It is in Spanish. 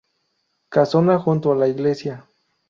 Casona junto a la iglesia.